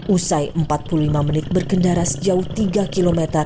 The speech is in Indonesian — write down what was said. usai empat puluh lima menit berkendara sejauh tiga km